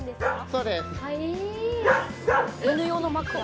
そうです